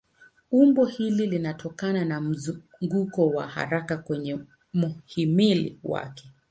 Umbo hili linatokana na mzunguko wa haraka kwenye mhimili wake.